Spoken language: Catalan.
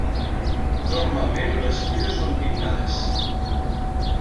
Normalment les fulles són pinnades.